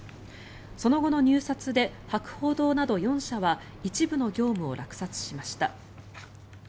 その後の入札で博報堂など４社は一部の業務を落札しました。